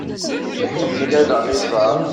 Iḥemmel ad aɣ-iẓer.